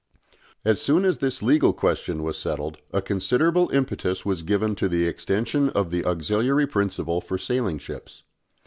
As soon as this legal question was settled a considerable impetus was given to the extension of the auxiliary principle for sailing ships.